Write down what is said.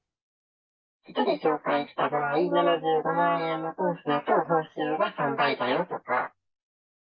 １人紹介した場合、７５万円のコースだと、報酬が３倍だよとか。